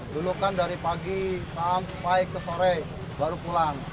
dulu kan dari pagi sampai ke sore baru pulang